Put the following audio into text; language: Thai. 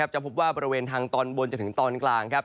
จะพบว่าบริเวณทางตอนบนจนถึงตอนกลาง